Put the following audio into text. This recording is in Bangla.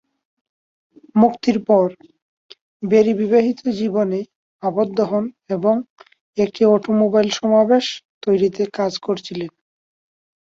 মুক্তির পর, বেরি বিবাহিত জীবনে আবদ্ধ হন এবং একটি অটোমোবাইল সমাবেশ তৈরিতে কাজ করেছিলেন।